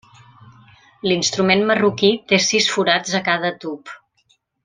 L'instrument marroquí té sis forats a cada tub.